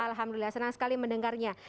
alhamdulillah senang sekali mendengarnya